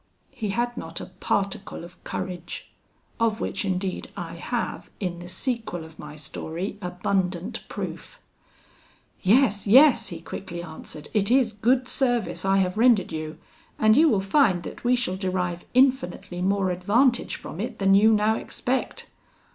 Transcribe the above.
He had not a particle of courage, of which indeed I have, in the sequel of my story, abundant proof. 'Yes, yes,' he quickly answered, 'it is good service I have rendered you, and you will find that we shall derive infinitely more advantage from it than you now expect.'